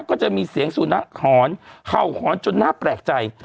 ก็จะมีเสียงสุนัขหอนเข่าหอนจนน่าแปลกใจ